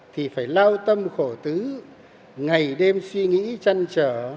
thì phải lao tâm khổ tứ ngày đêm suy nghĩ trăn trở